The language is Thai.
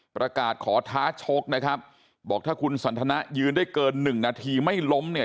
ประกาศขอท้าชกนะครับบอกถ้าคุณสันทนายืนได้เกินหนึ่งนาทีไม่ล้มเนี่ย